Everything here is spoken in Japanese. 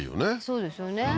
そうですよね